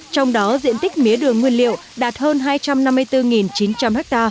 trong đó diện tích mía đường nguyên liệu đạt hơn hai trăm năm mươi bốn chín trăm linh ha